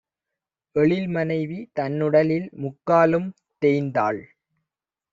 எழில்மனைவி தன்னுடலில் முக்காலும் தேய்ந்தாள்!